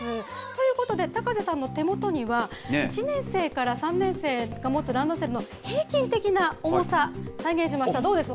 ということで、高瀬さんの手元には、１年生から３年生が持つランドセルの平均的な重さ、再現しました。